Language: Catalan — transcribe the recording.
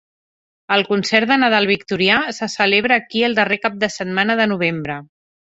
El Concert de Nadal Victorià se celebra aquí el darrer cap de setmana de novembre.